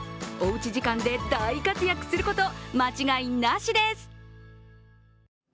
おうち時間で大活躍すること間違いなしです。